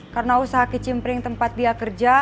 karena usaha kecimpring tempat dia kerja